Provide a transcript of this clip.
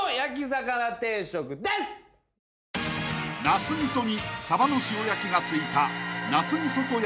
［なす味噌にサバの塩焼きがついた］